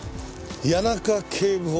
谷中警部補。